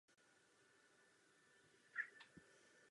V Londýně chodila až do deseti let do židovské školy.